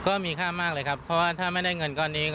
ก็มีค่ามากเลยครับเพราะว่าถ้าไม่ได้เงินก้อนนี้